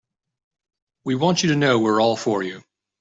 We want you to know that we're all for you.